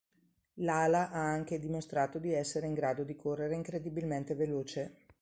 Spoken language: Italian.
Lala ha anche dimostrato di essere in grado di correre incredibilmente veloce.